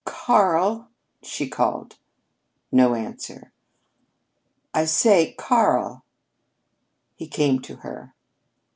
"Karl!" she called. No answer. "I say Karl!" He came to her.